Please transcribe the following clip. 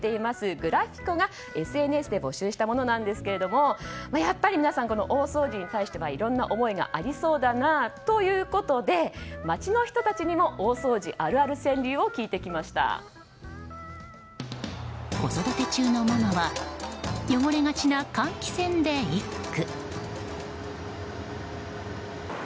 グラフィコがＳＮＳで募集したものなんですがやっぱり皆さん大掃除に対してはいろいろな思いがありそうだなということで街の人たちにも大掃除あるある川柳を子育て中のママは汚れがちな換気扇で一句。